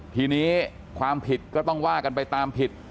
ทีนี้ความผิดก็ต้องว่ากันไปตามผิด